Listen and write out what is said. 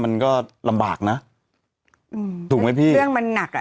มันก็ลำบากนะอืมถูกไหมพี่เรื่องมันหนักอ่ะ